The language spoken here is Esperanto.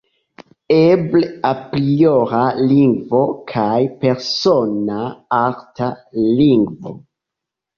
Eble apriora lingvo kaj persona arta lingvo.